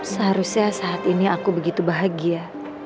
seharusnya saat ini aku begitu bahagia